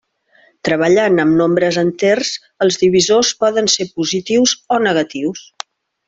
Treballant amb nombres enters, els divisors poden ser positius o negatius.